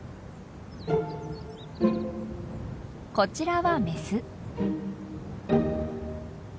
こちらはメス。